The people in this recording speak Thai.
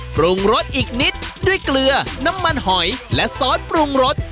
ปรุงรสอีกนิดด้วยเกลือน้ำมันหอยและซอสปรุงรส